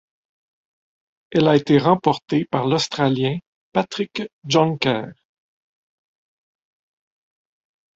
Elle a été remportée par l'Australien Patrick Jonker.